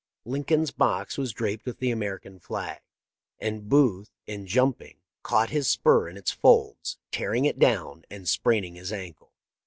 Lincoln's box was draped with the American flag, and Booth, in jumping, caught his spur in its folds, tearing it down and spraining his ankle.